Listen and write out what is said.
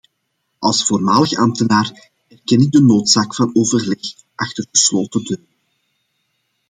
Als voormalig ambtenaar erken ik de noodzaak van overleg achter gesloten deuren.